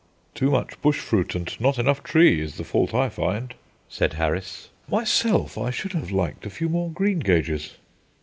"Too much bush fruit and not enough tree, is the fault I find," said Harris. "Myself, I should have liked a few more greengages."